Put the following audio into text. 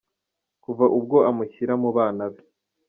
Kuva ubwo amushyira mu bana be.